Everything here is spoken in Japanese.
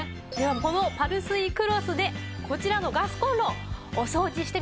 このパルスイクロスでこちらのガスコンロをお掃除してみましょう。